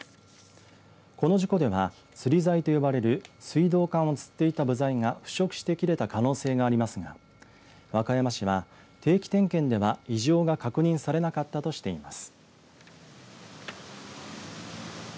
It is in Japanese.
この事故では、つり材と呼ばれる水道管をつっていた部材が腐食して切れた可能性がありますが和歌山市は定期点検では異常が確認されなかったとしています。